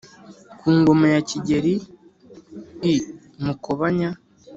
Ku ngoma ya Kigeri I Mukobanya